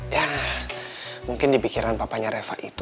ya mungkin di pikiran papanya reva itu